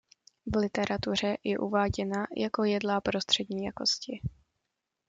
V literatuře je uváděna jako jedlá prostřední jakosti.